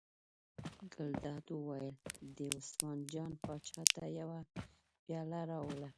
ګلداد وویل: دې عثمان جان پاچا ته یوه پیاله راوړه.